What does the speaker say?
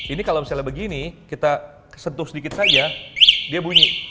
ini kalau misalnya begini kita sentuh sedikit saja dia bunyi